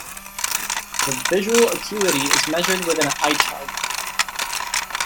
The visual acuity is measured with an eye chart.